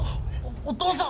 お父さん！